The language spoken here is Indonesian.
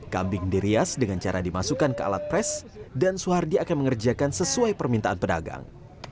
kambing dirias dengan cara dimasukkan ke alat pres dan suhardi akan mengerjakan sesuai permintaan pedagang